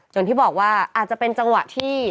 อย่างที่บอกว่าอาจจะเป็นจังหวะที่